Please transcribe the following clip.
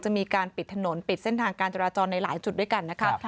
มีการปิดถนนปิดเส้นทางการจราจรในหลายจุดด้วยกันนะคะ